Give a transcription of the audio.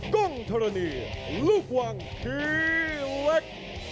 กรงธรณีลูกวังคีเล็ก